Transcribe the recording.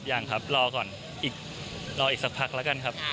ยังครับรอก่อนอีกรออีกสักพักแล้วกันครับ